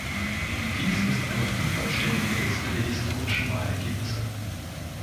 Dies ist eine unvollständige Liste der historischen Wahlergebnisse.